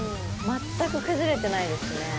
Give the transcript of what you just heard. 全く崩れてないですね。